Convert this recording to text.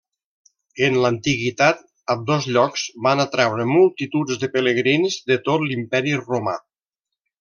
En l'antiguitat, ambdós llocs van atraure multituds de pelegrins de tot l'Imperi Romà.